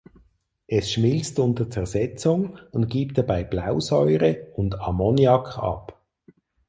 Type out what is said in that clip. Es schmilzt unter Zersetzung und gibt dabei Blausäure und Ammoniak ab.